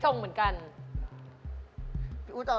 ทำไมอ่ะมันมีขา